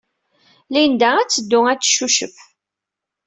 Linda ad teddu ad teccucef.